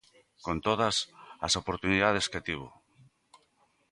Con todas as oportunidades que tivo.